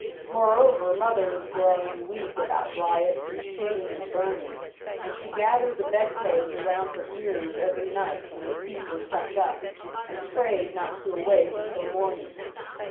Moreover, mother was growing weak about riots, and shooting, and burning; and she gathered the bed clothes around her ears every night, when her feet were tucked up; and prayed not to awake until morning.